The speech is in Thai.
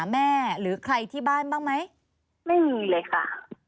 ไม่มีเลยค่ะ